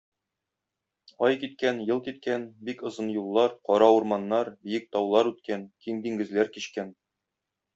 Ай киткән, ел киткән, бик озын юллар, кара урманнар, биек таулар үткән, киң диңгезләр кичкән.